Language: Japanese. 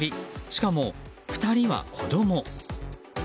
しかも２人は子供。